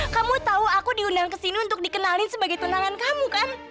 kamu tau aku diundang kesini untuk dikenalin sebagai tunangan kamu kan